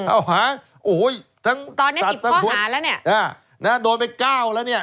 เอาหาโอ้โหทั้งตอนเนี้ยสิบข้อหาแล้วเนี่ยนะโดนไปเก้าแล้วเนี่ย